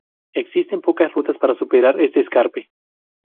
Existen pocas rutas para superar este escarpe.